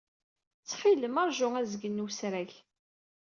Ttxil-m, ṛju azgen n wesrag.